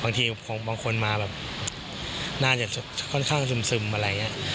บางคนมาแบบน่าจะค่อนข้างซึมอะไรอย่างนี้